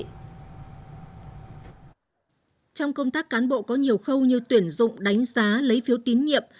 trong công tác cán bộ có nhiều khâu như tuyển dụng đánh giá lấy phiếu tín nhiệm